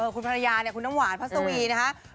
คุณภรรยาเนี่ยคุณน้ำหวานพัสวีนะคะ